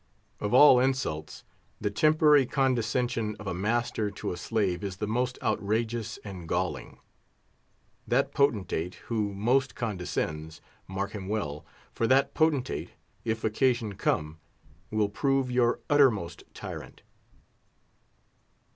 Of all insults, the temporary condescension of a master to a slave is the most outrageous and galling. That potentate who most condescends, mark him well; for that potentate, if occasion come, will prove your uttermost tyrant.